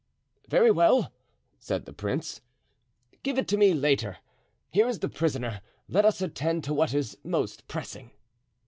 "Very well," said the prince; "give it to me later. Here is the prisoner; let us attend to what is most pressing."